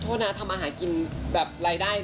โทษนะทำอาหารกินแบบรายได้